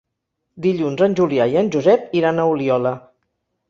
Dilluns en Julià i en Josep iran a Oliola.